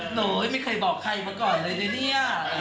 หนูไม่เคยบอกใครมาก่อนเลยนะเนี่ย